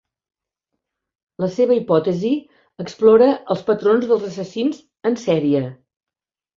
La seva hipòtesi explora els patrons dels assassins en sèrie.